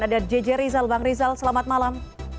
ada jj rizal bang rizal selamat malam